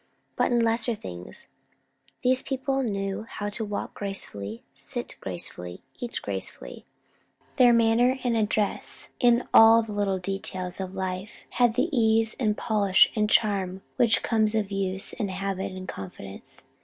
But in lesser things! These people knew how to walk gracefully, sit gracefully, eat gracefully. Their manner and address in all the little details of life, had the ease, and polish, and charm which comes of use, and habit, and confidence.